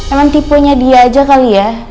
emang tipenya dia aja kali ya